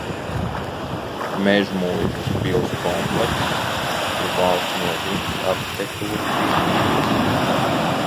Mežmuižas pils komplekss ir valsts nozīmes arhitektūras piemineklis.